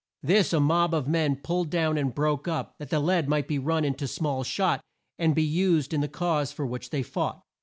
This a mob of men pulled down and broke up, that the lead might be run in to small shot and be used in the cause for which they fought.